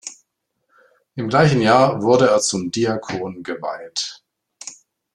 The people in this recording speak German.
Im gleichen Jahr wurde er zum Diakon geweiht.